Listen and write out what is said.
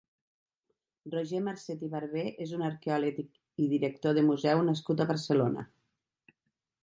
Roger Marcet i Barbé és un arqueòleg i director de museu nascut a Barcelona.